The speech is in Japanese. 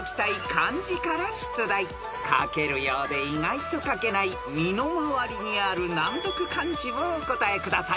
［書けるようで意外と書けない身の周りにある難読漢字をお答えください］